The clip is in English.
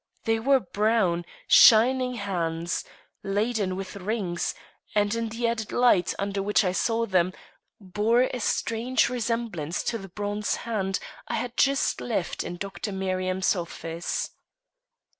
They were brown, shining hands, laden with rings, and, in the added light, under which I saw them, bore a strange resemblance to the bronze hand I had just left in Dr. Merriam's office.